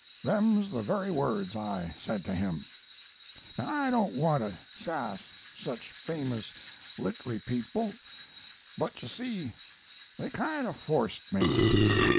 Them's the very words I said to him. Now I don't want to sass such famous Littery people, but you see they kind of forced me.